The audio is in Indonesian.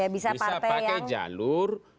bisa pakai jalur